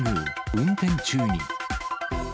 運転中に。